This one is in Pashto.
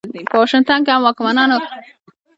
په واشنګټن کې هم واکمنانو د جنوب وضعیت دوام غوښت.